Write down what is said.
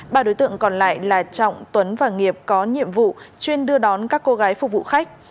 ba đối tượng còn lại là trọng tuấn và nghiệp có nhiệm vụ chuyên đưa đón các cô gái phục vụ khách